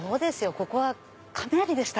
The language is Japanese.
ここは亀有でした。